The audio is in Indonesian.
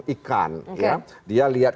ikan dia lihat